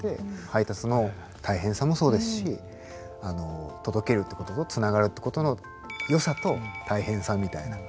配達の大変さもそうですし届けるということと繋がるということの良さと大変さみたいな。